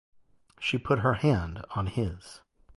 She put her hand on his.